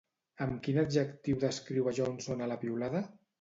Amb quin adjectiu descriu a Johnson a la piulada?